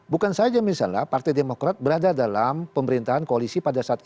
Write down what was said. bukan saja misalnya partai demokrat berada dalam pemerintahan koalisi pada saat itu